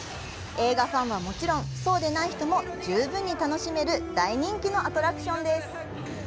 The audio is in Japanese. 映画ファンはもちろん、そうでない人も十分に楽しめる大人気のアトラクションです。